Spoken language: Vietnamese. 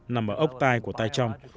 nằm ở ốc tai của tai trong